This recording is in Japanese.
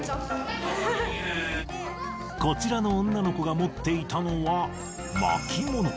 こちらの女の子が持っていたのは、巻物。